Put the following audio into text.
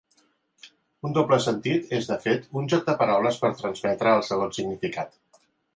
Un doble sentit és de fet un joc de paraules per transmetre el segon significat.